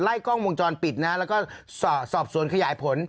กล้องวงจรปิดนะแล้วก็สอบสวนขยายผล